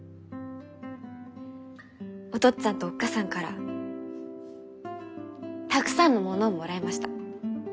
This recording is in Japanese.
お父っつぁんとおっ母さんからたくさんのものをもらいました。